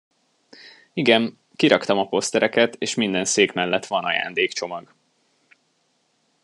Igen, kiraktam a posztereket, és minden szék mellett van ajándékcsomag.